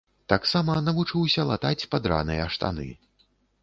Таксама навучыўся латаць падраныя штаны.